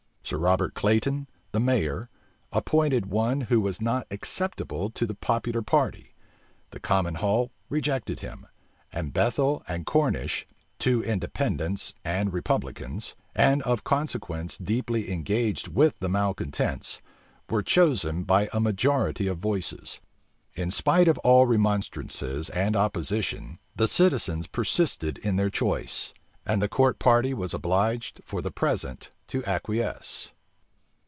Sir Robert Clayton, the mayor, appointed one who was not acceptable to the popular party: the common hall rejected him; and Bethel and Cornish, two Independents and republicans, and of consequence deeply engaged with the malecontents, were chosen by a majority of voices. In spite of all remonstrances and opposition, the citizens persisted in their choice; and the court party was obliged for the present to acquiesce.